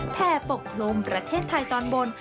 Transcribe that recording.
แผ่ปกคลุมประเทศไทยตอนบน